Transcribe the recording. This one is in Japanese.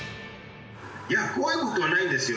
いや怖い事はないんですよ。